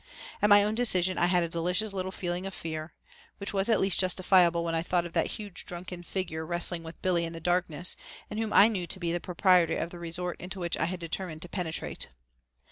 At my own decision I had a delicious little feeling of fear, which was at least justifiable when I thought of that huge drunken figure wrestling with Billy in the darkness and whom I knew to be the proprietor of the resort into which I had determined to penetrate.